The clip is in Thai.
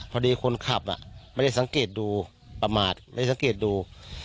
พอดีคนขับอะไม่ได้สังเกตดู